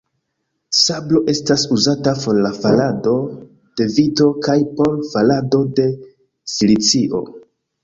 Sablo estas uzata por la farado de vitro kaj por farado de silicio.